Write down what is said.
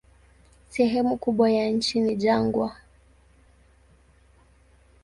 Sehemu kubwa ya nchi ni jangwa.